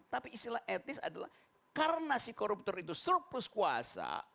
tapi istilah etis adalah karena si koruptor itu surplus kuasa